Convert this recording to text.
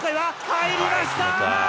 入りました！